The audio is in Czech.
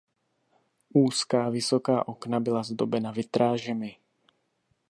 Úzká vysoká okna byla zdobena vitrážemi.